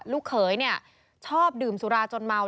ลูกเขยเนี่ยชอบดื่มสุราจนเมา